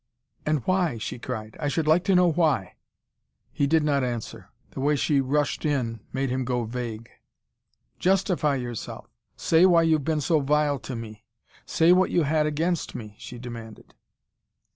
"And why?" she cried. "I should like to know why." He did not answer. The way she rushed in made him go vague. "Justify yourself. Say why you've been so vile to me. Say what you had against me," she demanded.